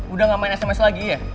udah gak main sms lagi ya